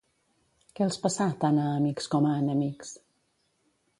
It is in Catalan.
Què els passà tant a amics com a enemics?